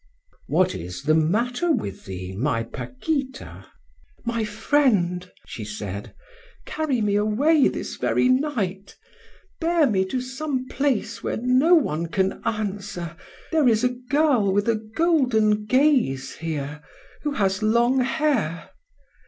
"What is the matter with thee, my Paquita?" "My friend," she said, "carry me away this very night. Bear me to some place where no one can answer: 'There is a girl with a golden gaze here, who has long hair.